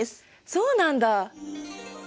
そうなんだ！